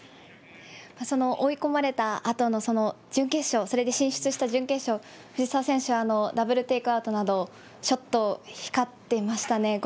その追い込まれたあとの準決勝、それで進出した準決勝、藤澤選手、ダブルテイクアウトなど、ショット、光ってましたね。